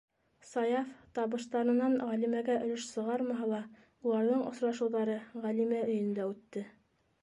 Саяф, табыштарынан Ғәлимәгә өлөш сығармаһа ла, уларҙың осрашыуҙары Ғәлимә өйөндә үтте...